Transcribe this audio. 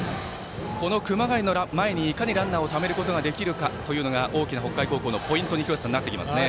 この熊谷の前にいかにランナーをためることができるかというのが大きな北海高校のポイントになってきますね。